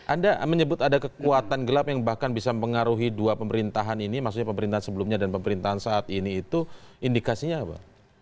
anda menyebut ada kekuatan gelap yang bahkan bisa mempengaruhi dua pemerintahan ini maksudnya pemerintahan sebelumnya dan pemerintahan saat ini itu indikasinya apa